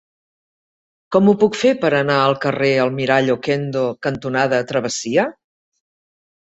Com ho puc fer per anar al carrer Almirall Okendo cantonada Travessia?